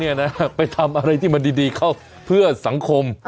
นี่เอาแรงไปทำอะไรที่มันดีเข้าเพื่อสังคม